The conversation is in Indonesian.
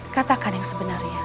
katakan yang sebenarnya